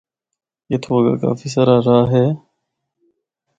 اُتھو اگا کافی ساراہ راہ ہے۔